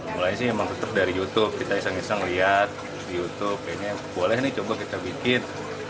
mulainya sih emang tetap dari youtube kita iseng iseng lihat di youtube kayaknya boleh nih coba kita bikin